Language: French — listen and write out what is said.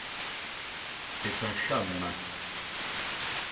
C’est un cham…